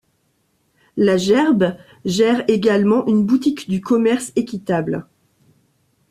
La Gerbe gère également une boutique du commerce équitable.